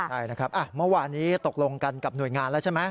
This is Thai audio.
ใช่นะครับเมื่อวานี้ตกลงกันกับหน่วยงานแล้วใช่ไหม